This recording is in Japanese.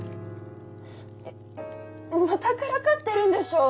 えまたからかってるんでしょ？